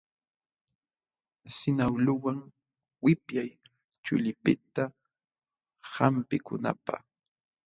Sinawluwan wipyay chullipiqta hampikunanpaq.